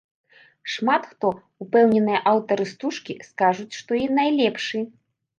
Шмат хто, упэўненыя аўтары стужкі, скажуць, што і найлепшы.